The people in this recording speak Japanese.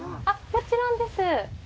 あっもちろんです